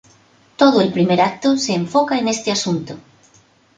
Todo el primer acto se enfoca en este asunto.